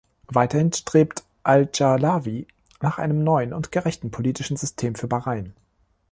Weiterhin strebt al-Dschalawi nach einem neuen und gerechten politischen System für Bahrain.